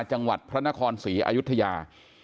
จังหวัดพระนครศรีอายุทยา